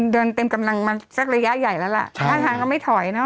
เดินเต็มกำลังมาสักระยะใหญ่แล้วล่ะท่าทางก็ไม่ถอยเนอ